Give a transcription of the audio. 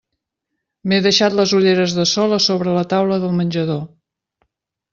M'he deixat les ulleres de sol a sobre la taula del menjador.